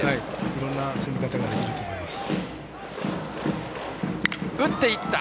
いろんな攻め方ができると思います。